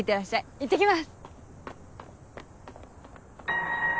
いってきます！